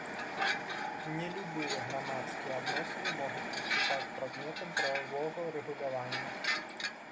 Не любыя грамадскія адносіны могуць выступаць прадметам прававога рэгулявання.